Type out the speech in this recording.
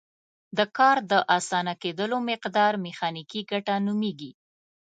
د کار د اسانه کیدلو مقدار میخانیکي ګټه نومیږي.